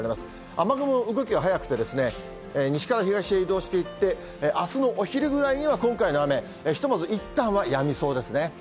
雨雲の動きは速くてですね、西から東へ移動していって、あすのお昼ぐらいには今回の雨、ひとまずいったんはやみそうですね。